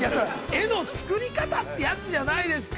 ◆画の作り方というやつじゃないですか。